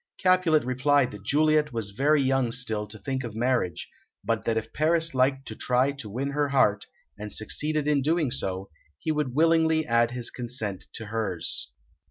Capulet replied that Juliet was very young still to think of marriage, but that if Paris liked to try to win her heart, and succeeded in doing so, he would willingly add his consent to hers.